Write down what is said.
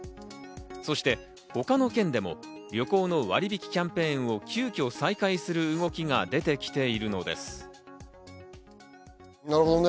そして他の県でも旅行の割引キャンペーンを急きょ再開する動きがなるほどね。